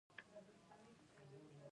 شکایت اوریدل د چا دنده ده؟